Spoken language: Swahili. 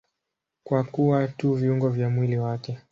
Kwa kuwa tu viungo vya mwili wake.